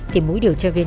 thì mũi điều tra viên